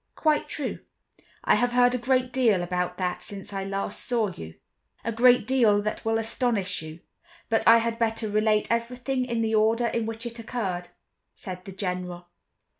"Quite true. I have heard a great deal about that since I last saw you; a great deal that will astonish you. But I had better relate everything in the order in which it occurred," said the General.